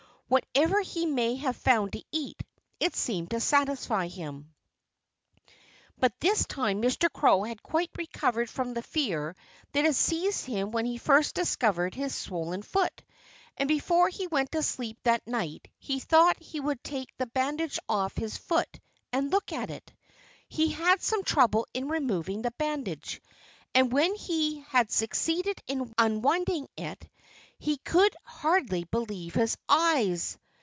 Whatever he may have found to eat, it seemed to satisfy him. By this time Mr. Crow had quite recovered from the fear that had seized him when he first discovered his swollen foot. And before he went to sleep that night he thought he would take the bandage off his foot and look at it. He had some trouble in removing the bandage. And when he had succeeded in unwinding it he could hardly believe his eyes.